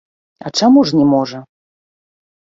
А чаму ж не можа?